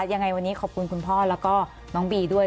ยังไงวันนี้ขอบคุณคุณพ่อแล้วก็น้องบีด้วย